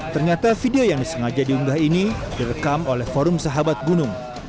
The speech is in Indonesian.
ternyata video yang disengaja diunggah ini direkam oleh forum sahabat gunung